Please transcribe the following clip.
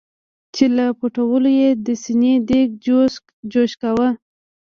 چې له پټولو یې د سینې دیګ جوش کاوه.